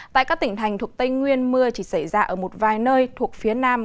tại các tỉnh thành thuộc tây nguyên mưa chỉ xảy ra ở một vài nơi thuộc phía nam